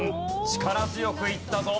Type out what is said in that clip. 力強くいったぞ。